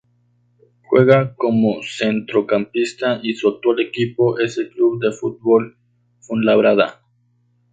Juega como centrocampista y su actual equipo es el Club de Fútbol Fuenlabrada.